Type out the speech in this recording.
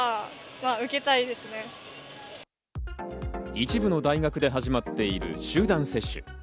一部の大学で始まっている集団接種。